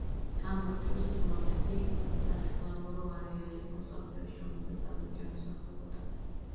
ამავე დროს, ის უმაღლესი სათხილამურო არეალი იყო მსოფლიოში, რომელსაც საბაგირო ემსახურებოდა.